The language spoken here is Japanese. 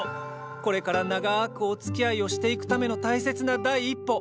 これから長くおつきあいをしていくための大切な第一歩！